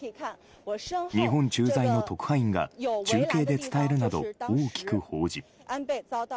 日本駐在の特派員が中継で伝えるなど大きく報じ